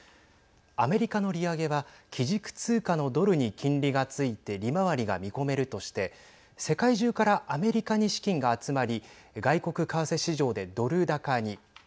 アメリカの利上げは基軸通貨のドルに金利がついて利回りが見込めるとして世界中からアメリカに資金が集まり外国為替市場でドル高に。